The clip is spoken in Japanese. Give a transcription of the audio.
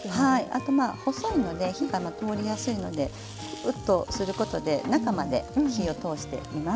あとまあ細いので火が通りやすいのでグッとすることで中まで火を通しています。